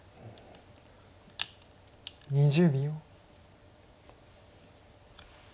２０秒。